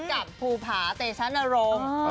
กับภูผาเตชันอารมณ์